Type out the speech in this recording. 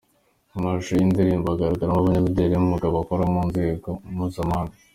Mu mashusho y’iyi ndirimbo hazagaragaramo abanyamideli b’umwuga bakora ku rwego mpuzamahanga.